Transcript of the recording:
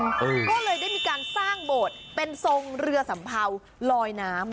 ก็เลยได้มีการสร้างโบสถ์เป็นทรงเรือสัมเภาลอยน้ำ